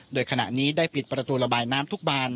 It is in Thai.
โดยขณะนี้ได้ปิดประตูระบายน้ำทุกบาน